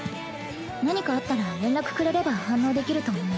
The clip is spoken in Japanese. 何かあったら連絡くれれば反応できると思う。